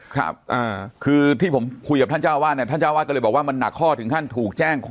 ครับอ่าคือที่ผมคุยกับท่านเจ้าวาดเนี่ยท่านเจ้าวาดก็เลยบอกว่ามันหนักข้อถึงขั้นถูกแจ้ง